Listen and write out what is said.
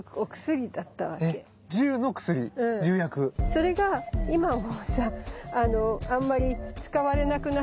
それが今はもうさあんまり使われなくなっちゃったから。